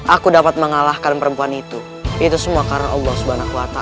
alhamdulillah berterima kasih kepada allah swt